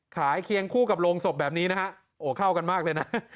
เคียงคู่กับโรงศพแบบนี้นะฮะโอ้เข้ากันมากเลยนะ